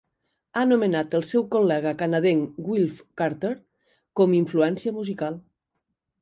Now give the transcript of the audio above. Ha nomenat el seu col·lega canadenc Wilf Carter com influència musical.